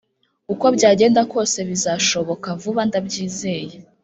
Ukobyagenda kose bizashoboka vuba ndabyizeye